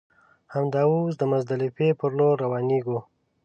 همدا اوس د مزدلفې پر لور روانېږو.